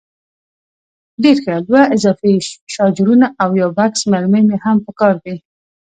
ډېر ښه، دوه اضافي شاجورونه او یو بکس مرمۍ مې هم په کار دي.